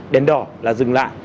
đèn đỏ là dừng lại